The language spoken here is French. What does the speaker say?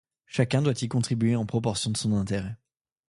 Chacun doit y contribuer en proportion de son intérêt.